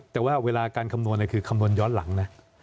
แต่ว่าเวลาการคำนวณคือคำนวณย้อนหลังนะ